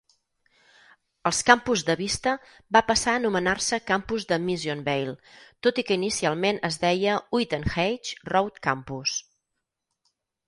Els campus de Vista va passar a anomenar-se campus de Missionvale, tot i que inicialment es deia Uitenhage Road Campus.